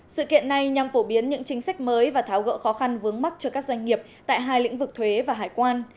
sự kiện này nhằm phổ biến những chính sách mới và tháo gỡ khó khăn vướng mắt cho các doanh nghiệp tại hai lĩnh vực thuế và hải quan